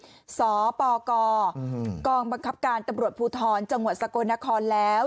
ที่สปกกองบังคับการตำรวจภูทรจังหวัดสกลนครแล้ว